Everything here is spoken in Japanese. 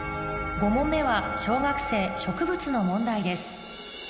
５問目は小学生植物の問題です